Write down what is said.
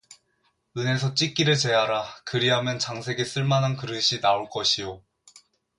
은에서 찌끼를 제하라 그리하면 장색의 쓸만한 그릇이 나올 것이요